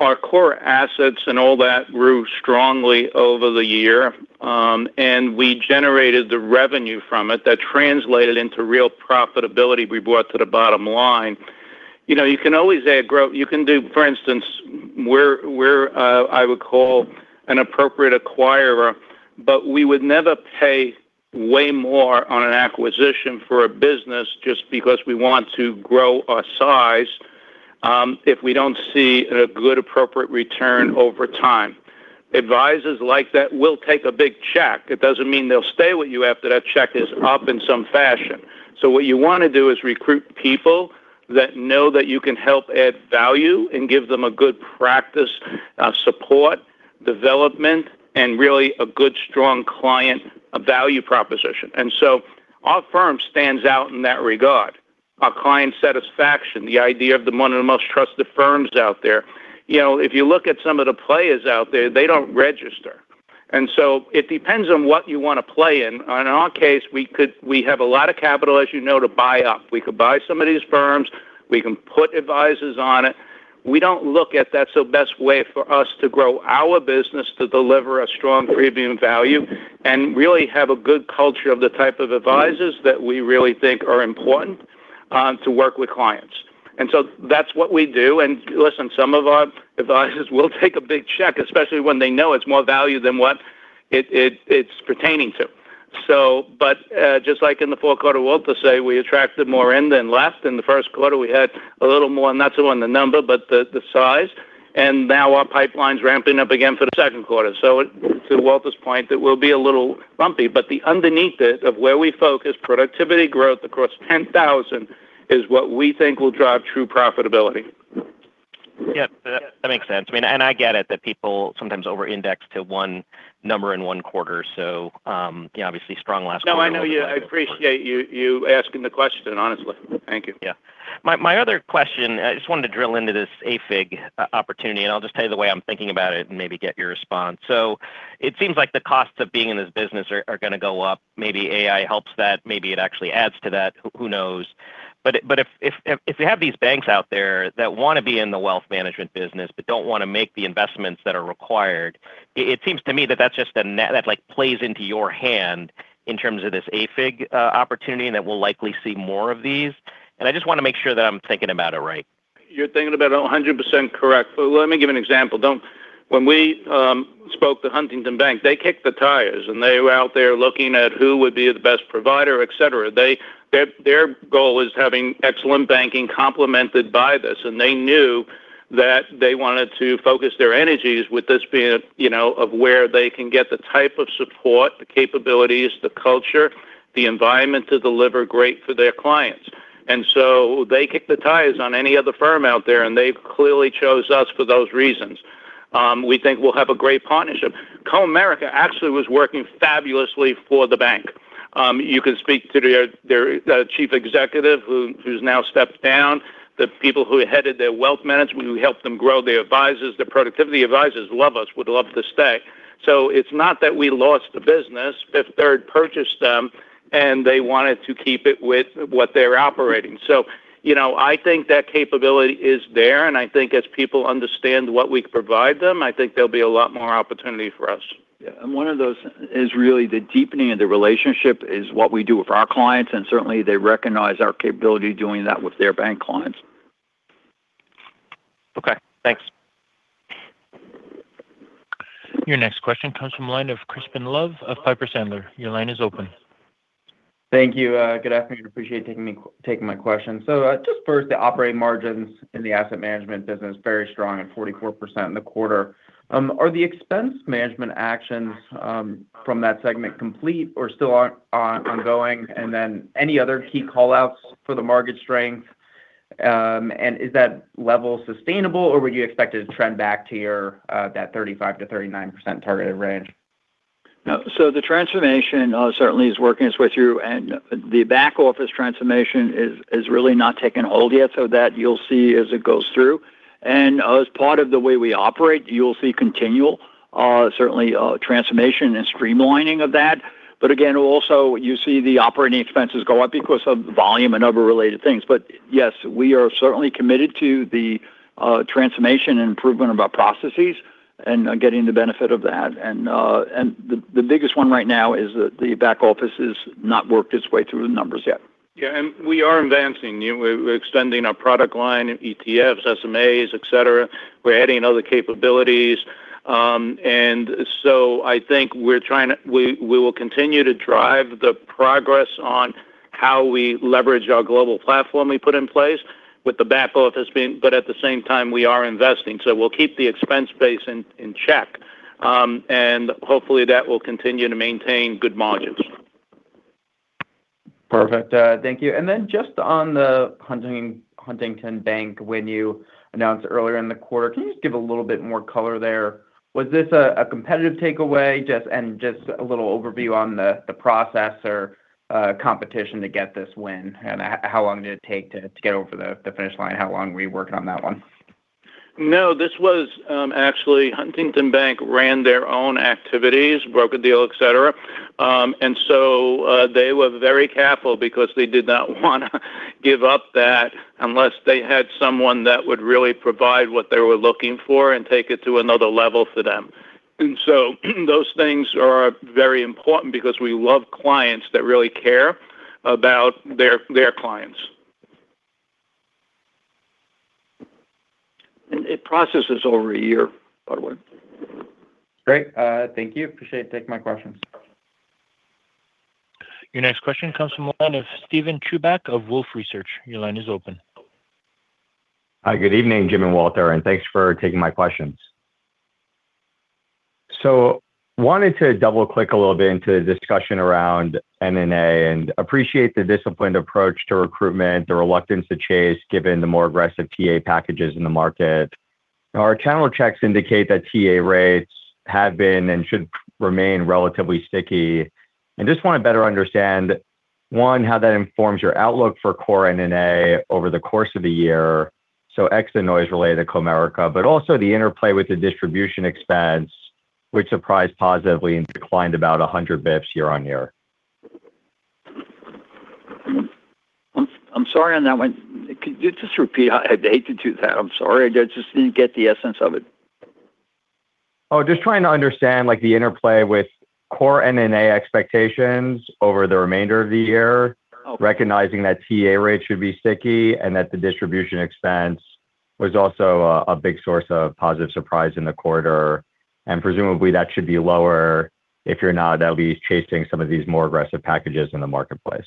our core assets and all that grew strongly over the year, and we generated the revenue from it that translated into real profitability we brought to the bottom line. For instance, we're, I would call an appropriate acquirer, but we would never pay way more on an acquisition for a business just because we want to grow our size, if we don't see a good appropriate return over time. Advisors like that will take a big check. It doesn't mean they'll stay with you after that check is up in some fashion. What you want to do is recruit people that know that you can help add value and give them a good practice, support, development, and really a good strong client value proposition. Our firm stands out in that regard. Our client satisfaction, the idea of one of the most trusted firms out there. If you look at some of the players out there, they don't register. It depends on what you want to play in. In our case, we have a lot of capital, as you know, to buy up. We could buy some of these firms. We can put advisors on it. We don't look at that as the best way for us to grow our business, to deliver a strong premium value, and really have a good culture of the type of advisors that we really think are important to work with clients. That's what we do. Listen, some of our advisors will take a big check, especially when they know it's more value than what it's pertaining to. Just like in the fourth quarter, Walter said, we attracted more in than last. In the first quarter, we had a little more, not so on the number, but the size. Now our pipeline's ramping up again for the second quarter. To Walter's point, it will be a little bumpy, but the underlying of where we focus productivity growth across 10,000 is what we think will drive true profitability. Yeah. That makes sense. I get it, that people sometimes over-index to one number in one quarter. Obviously strong last quarter- No, I know. I appreciate you asking the question, honestly. Thank you. Yeah. My other question, I just wanted to drill into this AFIG opportunity, and I'll just tell you the way I'm thinking about it and maybe get your response. It seems like the costs of being in this business are going to go up. Maybe AI helps that, maybe it actually adds to that. Who knows? If you have these banks out there that want to be in the wealth management business but don't want to make the investments that are required, it seems to me that that plays into your hand in terms of this AFIG opportunity, and that we'll likely see more of these. I just want to make sure that I'm thinking about it right. You're thinking about it 100% correct. Let me give an example. When we spoke to Huntington Bank, they kicked the tires, and they were out there looking at who would be the best provider, et cetera. Their goal is having excellent banking complemented by this. They knew that they wanted to focus their energies with this being of where they can get the type of support, the capabilities, the culture, the environment to deliver great for their clients. They kicked the tires on any other firm out there, and they clearly chose us for those reasons. We think we'll have a great partnership. Comerica actually was working fabulously for the bank. You can speak to their Chief Executive, who's now stepped down, the people who headed their wealth management, who helped them grow their advisors, their productivity advisors love us, would love to stay. It's not that we lost the business. Fifth Third purchased them, and they wanted to keep it with what they're operating. I think that capability is there, and I think as people understand what we provide them, I think there'll be a lot more opportunity for us. Yeah. One of those is really the deepening of the relationship is what we do with our clients, and certainly they recognize our capability doing that with their bank clients. Okay. Thanks. Your next question comes from the line of Crispin Love of Piper Sandler. Your line is open. Thank you. Good afternoon. Appreciate you taking my question. Just first, the operating margins in the asset management business, very strong at 44% in the quarter. Are the expense management actions from that segment complete or still ongoing? And then any other key callouts for the margin strength? And is that level sustainable or would you expect it to trend back to that 35%-39% targeted range? The transformation certainly is working its way through, and the back-office transformation is really not taken hold yet. That you'll see as it goes through. As part of the way we operate, you'll see continual, certainly transformation and streamlining of that. Again, also you see the operating expenses go up because of volume and other related things. Yes, we are certainly committed to the transformation and improvement of our processes and getting the benefit of that. The biggest one right now is that the back office has not worked its way through the numbers yet. Yeah. We are advancing. We're extending our product line, ETFs, SMAs, et cetera. We're adding other capabilities. I think we will continue to drive the progress on how we leverage our global platform we put in place with the back office, but at the same time we are investing, so we'll keep the expense base in check. Hopefully that will continue to maintain good margins. Perfect. Thank you. Just on the Huntington Bank win you announced earlier in the quarter, can you just give a little bit more color there? Was this a competitive takeaway? Just a little overview on the process or competition to get this win? How long did it take to get over the finish line? How long were you working on that one? No, actually, Huntington Bank ran their own activities, broker deal, et cetera. They were very careful because they did not want to give up that unless they had someone that would really provide what they were looking for and take it to another level for them. Those things are very important because we love clients that really care about their clients. It processes over a year, by the way. Great. Thank you. Appreciate it. Thank you for taking my questions. Your next question comes from the line of Steven Chubak of Wolfe Research. Your line is open. Hi, good evening, Jim and Walter, and thanks for taking my questions. Wanted to double-click a little bit into the discussion around NNA and appreciate the disciplined approach to recruitment, the reluctance to chase, given the more aggressive TA packages in the market. Our channel checks indicate that TA rates have been and should remain relatively sticky. I just want to better understand, one, how that informs your outlook for core NNA over the course of the year, so X and noise related to Comerica, but also the interplay with the distribution expense, which surprised positively and declined about 100 basis points year-over-year. I'm sorry on that one. Could you just repeat? I hate to do that. I'm sorry. I just didn't get the essence of it. Oh, just trying to understand the interplay with core NNA expectations over the remainder of the year. Oh Recognizing that TA rates should be sticky and that the distribution expense was also a big source of positive surprise in the quarter, and presumably that should be lower if you're now at least chasing some of these more aggressive packages in the marketplace.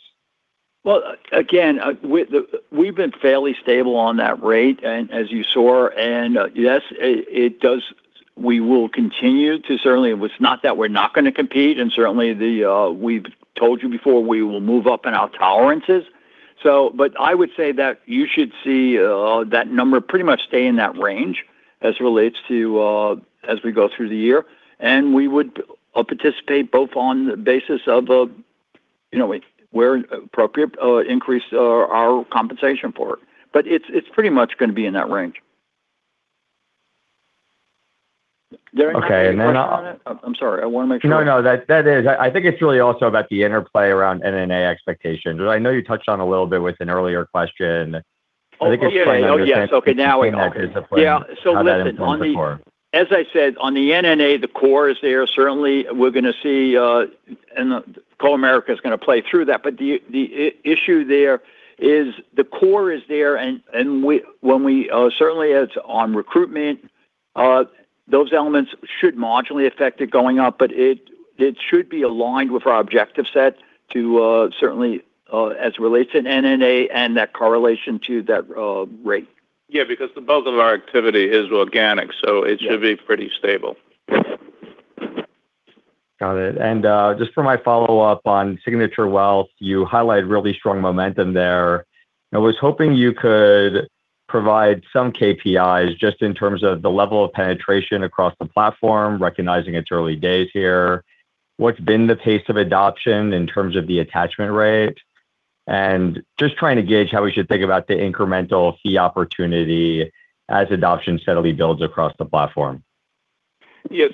Well, again, we've been fairly stable on that rate, and as you saw, and yes, we will continue too certainly. It's not that we're not going to compete, and certainly we've told you before, we will move up in our tolerances. I would say that you should see that number pretty much stay in that range as we go through the year, and we would participate both on the basis of where appropriate increase our compensation for it. It's pretty much going to be in that range. Is there another question on it? Okay. I'm sorry. I want to make sure. No, that is. I think it's really also about the interplay around NNA expectations. I know you touched on it a little bit with an earlier question. I think it's trying to understand. Oh, yes. Okay, now I get it. How that informs the core. Yeah. Listen, as I said, on the NNA, the core is there. Certainly, we're going to see Comerica's going to play through that. The issue there is the core is there, and certainly as on recruitment, those elements should marginally affect it going up. It should be aligned with our objective set to certainly as it relates to NNA and that correlation to that rate. Yeah, because the bulk of our activity is organic, so it should be pretty stable. Got it. Just for my follow-up on Signature Wealth, you highlight really strong momentum there. I was hoping you could provide some KPIs just in terms of the level of penetration across the platform, recognizing its early days here. What's been the pace of adoption in terms of the attachment rate? Just trying to gauge how we should think about the incremental fee opportunity as adoption steadily builds across the platform. Yeah.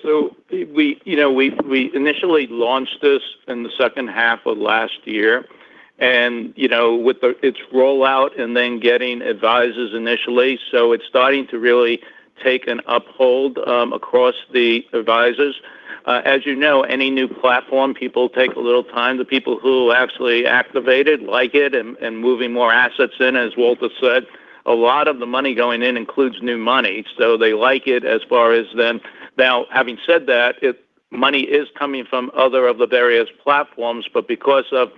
We initially launched this in the second half of last year. With its rollout and then getting advisors initially, so it's starting to really take hold across the advisors. As you know, any new platform, people take a little time. The people who actually activate it like it and moving more assets in. As Walter said, a lot of the money going in includes new money, so they like it as far as that. Now, having said that, money is coming from other of our various platforms, but because of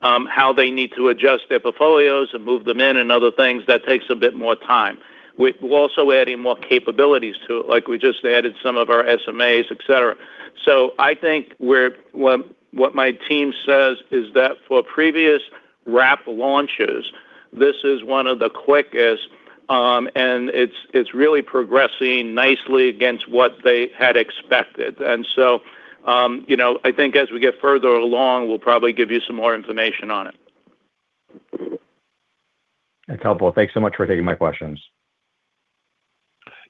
how they need to adjust their portfolios and move them in and other things, that takes a bit more time. We're also adding more capabilities to it. Like we just added some of our SMAs, et cetera. I think what my team says is that for previous wrap launches, this is one of the quickest, and it's really progressing nicely against what they had expected. I think as we get further along, we'll probably give you some more information on it. That's helpful. Thanks so much for taking my questions.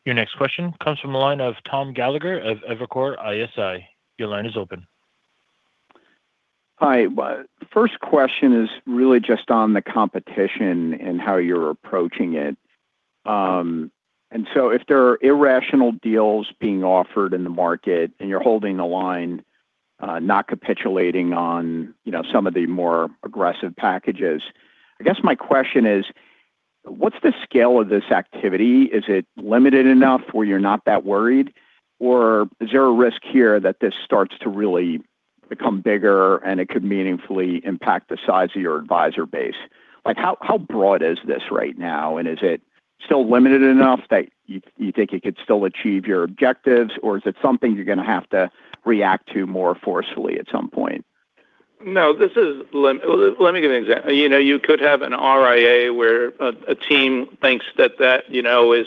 Your next question comes from the line of Thomas Gallagher of Evercore ISI. Your line is open. Hi. First question is really just on the competition and how you're approaching it and so if there are irrational deals being offered in the market and you're holding the line, not capitulating on some of the more aggressive packages, I guess my question is: What's the scale of this activity? Is it limited enough where you're not that worried or is there a risk here that this starts to really become bigger and it could meaningfully impact the size of your advisor base? Like how broad is this right now? And is it still limited enough that you think it could still achieve your objectives or is it something you're going to have to react to more forcefully at some point? No. Let me give you an example. You could have an RIA where a team thinks that that is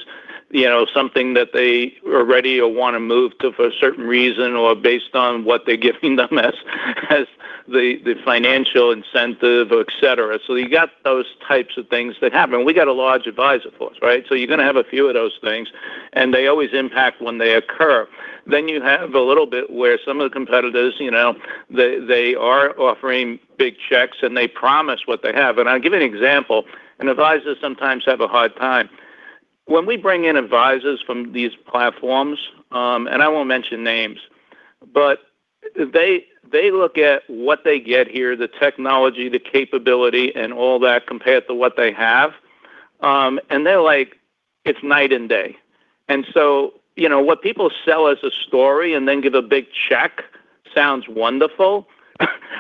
something that they are ready or want to move to for a certain reason or based on what they're giving them as the financial incentive, et cetera. You got those types of things that happen. We got a large advisor force, right? You're going to have a few of those things, and they always impact when they occur. You have a little bit where some of the competitors, they are offering big checks, and they promise what they have. I'll give you an example. Advisors sometimes have a hard time. When we bring in advisors from these platforms, and I won't mention names, but they look at what they get here, the technology, the capability and all that compared to what they have, and they're like, it's night and day. What people sell as a story and then give a big check sounds wonderful,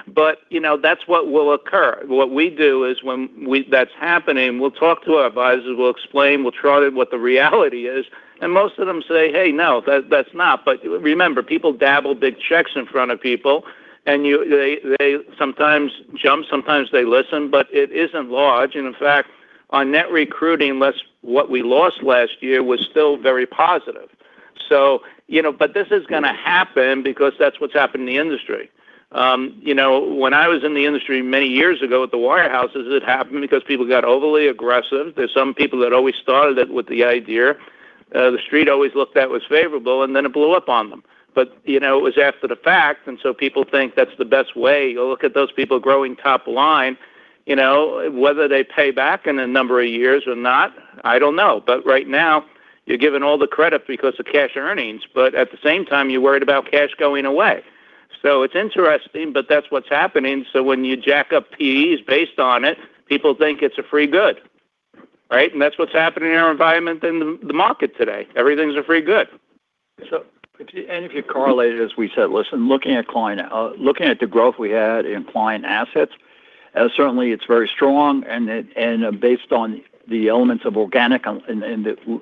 but that's what will occur. What we do is when that's happening, we'll talk to our advisors, we'll explain, we'll show them what the reality is, and most of them say, "Hey, no, that's not." Remember, people dabble big checks in front of people, and they sometimes jump, sometimes they listen, but it isn't large. In fact, our net recruiting, less what we lost last year, was still very positive. This is going to happen because that's what's happened in the industry. When I was in the industry many years ago at the warehouses, it happened because people got overly aggressive. There's some people that always started it with the idea. The Street always looked at it as favorable, and then it blew up on them. It was after the fact, and so people think that's the best way. You look at those people growing top line, whether they pay back in a number of years or not, I don't know. Right now, you're given all the credit because of cash earnings, but at the same time, you're worried about cash going away. It's interesting, but that's what's happening. When you jack up PEs based on it, people think it's a free good, right? That's what's happening in our environment in the market today. Everything's a free good. If you correlate it, as we said, listen, looking at the growth we had in client assets, certainly it's very strong and based on the elements of organic and the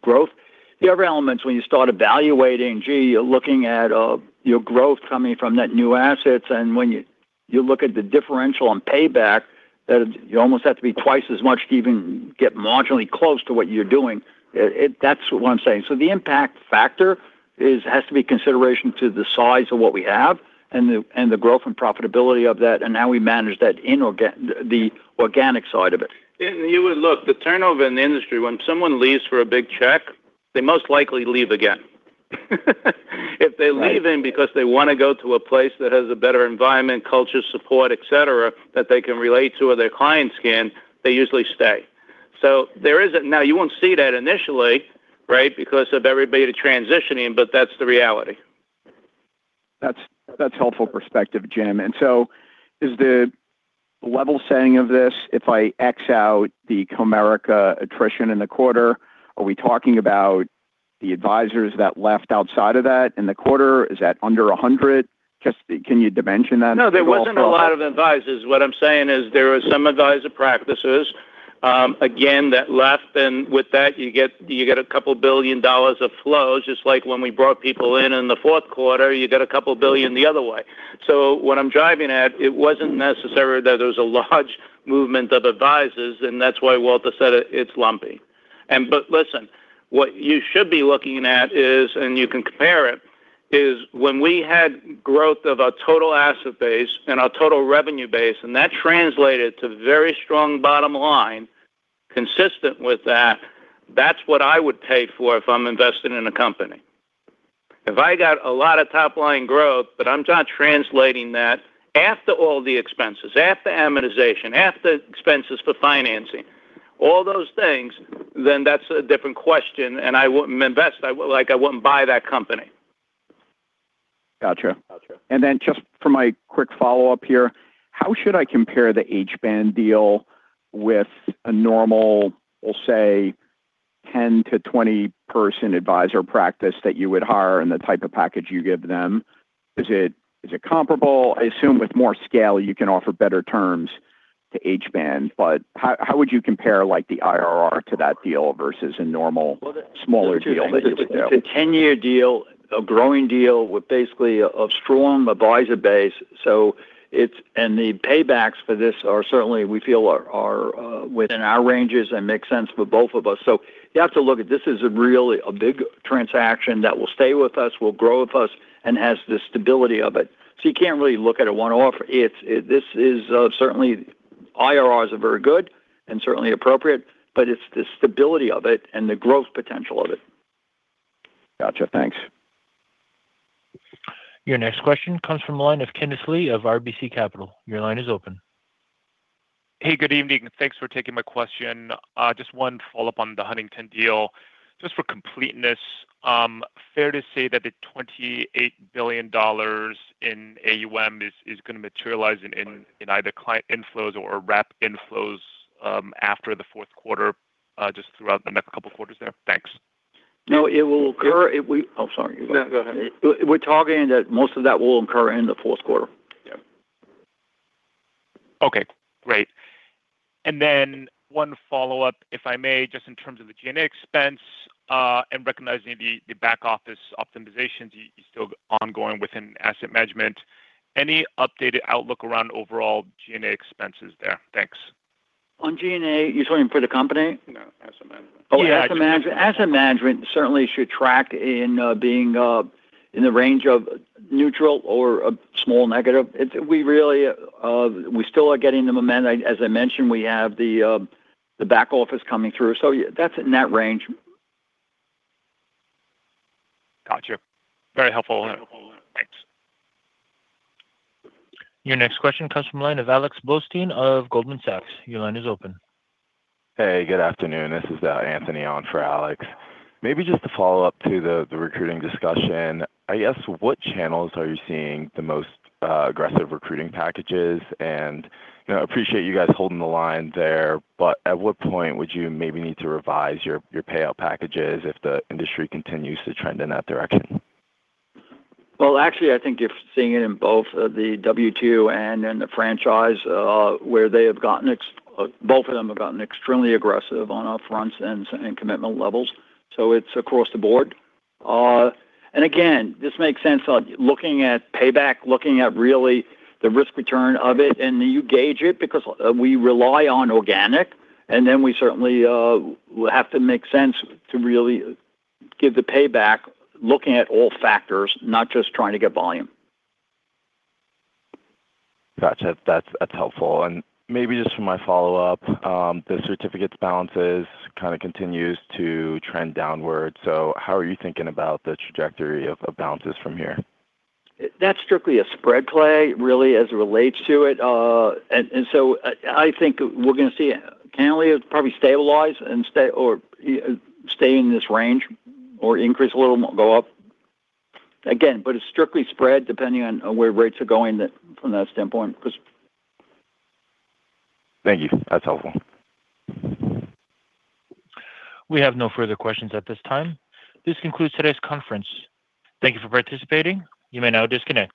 growth. The other elements, when you start evaluating, gee, you're looking at your growth coming from net new assets, and when you look at the differential on payback, that you almost have to be twice as much to even get marginally close to what you're doing. That's what I'm saying. The impact factor has to be consideration to the size of what we have and the growth and profitability of that and how we manage the organic side of it. You would look, the turnover in the industry, when someone leaves for a big check, they most likely leave again. If they're leaving because they want to go to a place that has a better environment, culture, support, et cetera, that they can relate to or their clients can, they usually stay. Now, you won't see that initially, right, because of everybody transitioning, but that's the reality. That's helpful perspective, Jim. Is the level setting of this, if I X out the Comerica attrition in the quarter, are we talking about the advisors that left outside of that in the quarter? Is that under 100? Can you dimension that as well for all of us? No, there wasn't a lot of advisors. What I'm saying is there are some advisor practices, again, that left, and with that, you get $2 billion of flows, just like when we brought people in in the fourth quarter, you get $2 billion the other way. What I'm driving at, it wasn't necessarily that there was a large movement of advisors, and that's why Walter said it's lumpy. Listen, what you should be looking at is, and you can compare it, is when we had growth of our total asset base and our total revenue base, and that translated to very strong bottom line consistent with that's what I would pay for if I'm invested in a company. If I got a lot of top-line growth, but I'm not translating that after all the expenses, after amortization, after expenses for financing, all those things, then that's a different question, and I wouldn't invest. I wouldn't buy that company. Got you. Got you. Just for my quick follow-up here, how should I compare the Hband deal with a normal, we'll say, 10-20-person advisor practice that you would hire and the type of package you give them? Is it comparable? I assume with more scale, you can offer better terms to Hband, but how would you compare the IRR to that deal versus a normal smaller deal that you would do? It's a 10-year deal, a growing deal with basically a strong advisor base. The paybacks for this are certainly, we feel are within our ranges and make sense for both of us. You have to look at this as really a big transaction that will stay with us, will grow with us, and has the stability of it. You can't really look at a one-off. IRR is very good and certainly appropriate, but it's the stability of it and the growth potential of it. Gotcha. Thanks. Your next question comes from the line of Kenneth Lee of RBC Capital. Your line is open. Hey, good evening, and thanks for taking my question. Just one follow-up on the Huntington deal. Just for completeness, fair to say that the $28 billion in AUM is going to materialize in either client inflows or rep inflows after the fourth quarter, just throughout the next couple of quarters there? Thanks No it will. Oh, sorry. No, go ahead. We're targeting that most of that will occur in the fourth quarter. Okay, great. One follow-up, if I may, just in terms of the G&A expense and recognizing the back-office optimization is still ongoing within asset management. Any updated outlook around overall G&A expenses there? Thanks. On G&A, you're talking for the company? No, asset management. Asset management certainly should track in being in the range of neutral or a small negative. We still are getting the momentum. As I mentioned, we have the back-office coming through, so that's in that range. Gotcha. Very helpful. Thanks. Your next question comes from the line of Alex Blostein of Goldman Sachs. Your line is open. Hey, good afternoon. This is Anthony on for Alex. Maybe just to follow up to the recruiting discussion. I guess, what channels are you seeing the most aggressive recruiting packages? I appreciate you guys holding the line there, but at what point would you maybe need to revise your payout packages if the industry continues to trend in that direction? Well, actually, I think you're seeing it in both the W2 and in the franchise, where both of them have gotten extremely aggressive on up-fronts and commitment levels. It's across the board. Again, this makes sense looking at payback, looking at really the risk-return of it, and you gauge it because we rely on organic, and then we certainly will have to make sense to really give the payback looking at all factors, not just trying to get volume. Gotcha. That's helpful. Maybe just for my follow-up, the certificates balances kind of continues to trend downward. How are you thinking about the trajectory of balances from here? That's strictly a spread play, really, as it relates to it. I think we're going to see it probably stabilize or stay in this range or increase a little more, go up. Again, it's strictly spread depending on where rates are going from that standpoint. Thank you. That's helpful. We have no further questions at this time. This concludes today's conference. Thank you for participating. You may now disconnect.